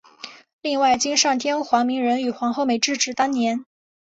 另外今上天皇明仁与皇后美智子当年。